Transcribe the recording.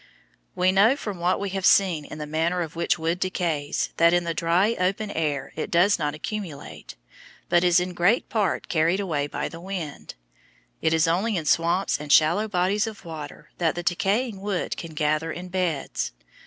We know from what we have seen of the manner in which wood decays, that in the dry, open air it does not accumulate, but is in great part carried away by the wind. It is only in swamps and shallow bodies of water that the decaying wood can gather in beds.